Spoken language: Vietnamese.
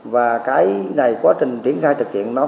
và cái này quá trình tiến khai thực hiện